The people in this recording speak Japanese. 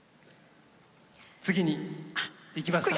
次にいきますか。